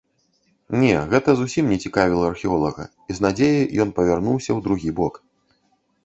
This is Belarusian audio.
Не, гэта зусім не цікавіла археолага, і з надзеяй ён павярнуўся ў другі бок.